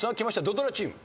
土ドラチーム。